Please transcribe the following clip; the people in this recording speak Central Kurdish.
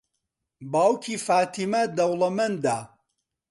باوکی فاتیمە دەوڵەمەندە.